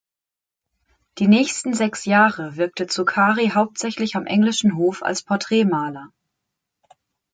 Die nächsten sechs Jahre wirkte Zuccari hauptsächlich am englischen Hof als Porträtmaler.